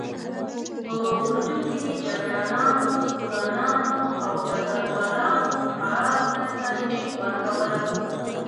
په اردو کې جګړه نانو، تورنانو او ډګر والانو فرار ته ترجیح ورکوله.